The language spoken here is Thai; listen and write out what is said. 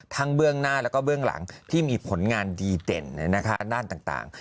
เบื้องหน้าแล้วก็เบื้องหลังที่มีผลงานดีเด่นด้านต่าง